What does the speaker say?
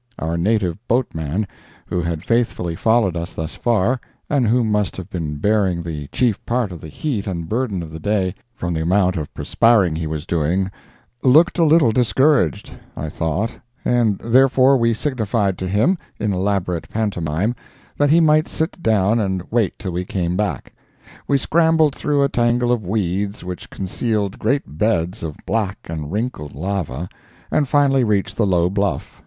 Our native boatman, who had faithfully followed us thus far, and who must have been bearing the chief part of the heat and burden of the day, from the amount of perspiring he was doing looked a little discouraged, I thought and therefore we signified to him, in elaborate pantomime, that he might sit down and wait till we came back. We scrambled through a tangle of weeds which concealed great beds of black and wrinkled lava, and finally reached the low bluff.